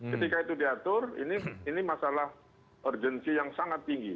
ketika itu diatur ini masalah urgensi yang sangat tinggi